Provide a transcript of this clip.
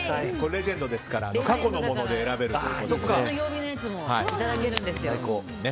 レジェンドですから過去のものも選べるということです。